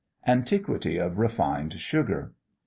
ANTIQUITY OF REFINED SUGAR.